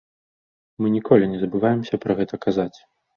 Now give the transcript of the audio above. Мы ніколі не забываемся пра гэта казаць.